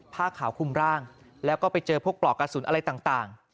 ผ้าขาวคุมร่างแล้วก็ไปเจอพวกปลอกกระสุนอะไรต่าง